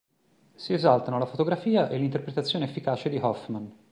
Si esaltano la fotografia e l'interpretazione efficace di Hoffman.